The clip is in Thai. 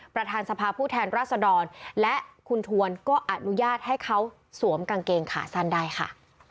ประธานสภาผู้แทนราษดรและคุณทวนก็อนุญาตให้เขาสวมกางเกงขาสั้นได้ค่ะ